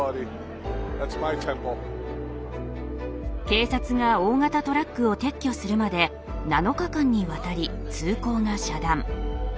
警察が大型トラックを撤去するまで７日間にわたり通行が遮断。